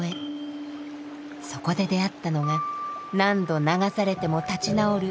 そこで出会ったのが何度流されても立ち直る